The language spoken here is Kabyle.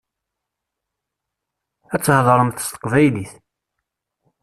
Ad theḍṛemt s teqbaylit.